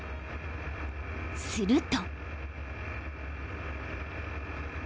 ［すると］